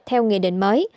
theo nghị định mới